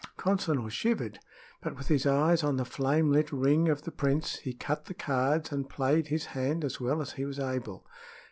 Consinor shivered: but with his eyes on the flame lit ring of the prince, he cut the cards and played his hand as well as he was able.